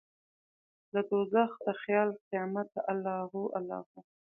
ددوږخ د خیال قیامته الله هو، الله هو